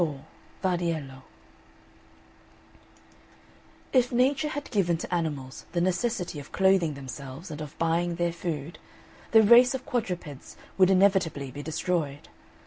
IV VARDIELLO If Nature had given to animals the necessity of clothing themselves, and of buying their food, the race of quadrupeds would inevitably be destroyed.